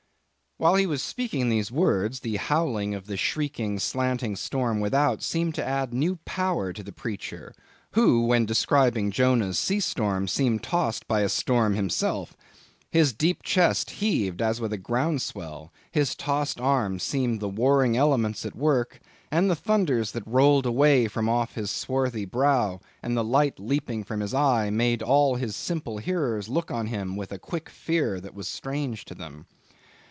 While he was speaking these words, the howling of the shrieking, slanting storm without seemed to add new power to the preacher, who, when describing Jonah's sea storm, seemed tossed by a storm himself. His deep chest heaved as with a ground swell; his tossed arms seemed the warring elements at work; and the thunders that rolled away from off his swarthy brow, and the light leaping from his eye, made all his simple hearers look on him with a quick fear that was strange to them.